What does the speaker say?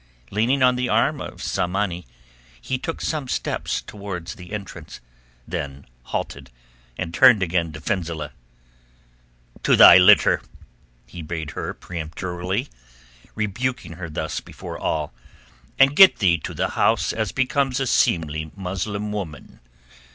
Leaning on the arm of Tsamanni he took some steps towards the entrance, then halted, and turned again to Fenzileh: "To thy litter," he bade her peremptorily, rebuking her thus before all, "and get thee to the house as becomes a seemly Muslim woman.